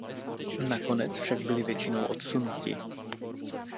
Nakonec však byli většinou odsunuti.